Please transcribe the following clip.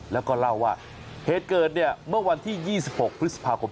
แล้วก็เล่าว่าเหตุเกิดเนี่ยเมื่อวันที่๒๖พฤษภาคม